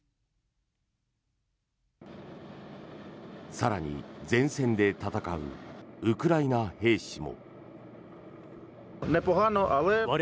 更に前線で戦うウクライナ兵士も。